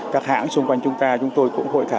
các hãng xung quanh chúng ta chúng tôi cũng hội thảo